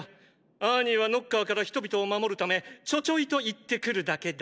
兄はノッカーから人々を守るためちょちょいと行ってくるだけだ。